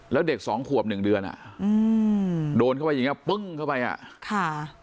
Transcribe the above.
แล้วเด็กสองขวบหนึ่งเดือนอ่ะอืมโดนเข้าไปอย่างเงี้ปึ้งเข้าไปอ่ะค่ะ